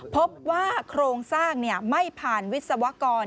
พบว่าโครงสร้างไม่ผ่านวิศวกร